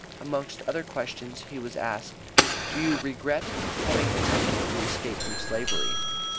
Amongst other questions, he was asked: "Do you regret having attempted to escape from slavery?"